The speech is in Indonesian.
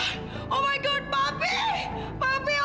hitung sekali berarti